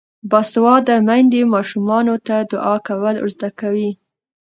باسواده میندې ماشومانو ته دعا کول ور زده کوي.